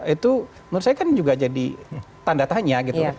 itu menurut saya kan juga jadi tanda tanya gitu